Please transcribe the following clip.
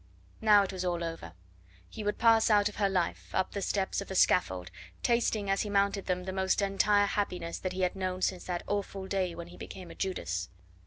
Now it was all over. He would pass out of her life, up the steps of the scaffold, tasting as he mounted them the most entire happiness that he had known since that awful day when he became a Judas.